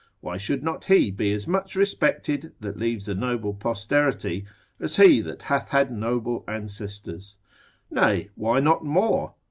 why should not he be as much respected that leaves a noble posterity, as he that hath had noble ancestors? nay why not more?